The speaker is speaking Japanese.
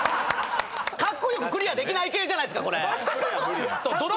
カッコ良くクリアできない系じゃないっすかこれ！